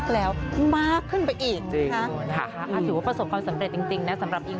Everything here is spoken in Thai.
กินเต็มเนี่ยวเต็มคอขนาดนี้นะฮะ